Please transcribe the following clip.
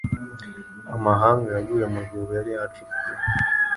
Amahanga yaguye mu rwobo yari yacukuye